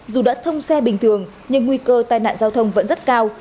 dù đã thông xe bình thường nhưng nguy cơ tai nạn giao thông vẫn rất cao